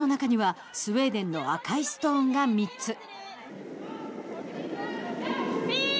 円の中にはスウェーデンの赤いストーンが３つ。